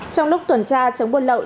trong lúc tuần tra chống buôn lậu